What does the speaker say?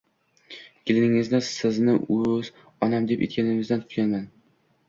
Keliningiz sizni o‘z onam deb etagingizdan tutgan.